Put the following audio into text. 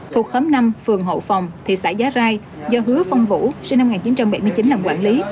thuộc khóm năm phường hậu phòng thị xã giá rai do hứa phong vũ sinh năm một nghìn chín trăm bảy mươi chín làm quản lý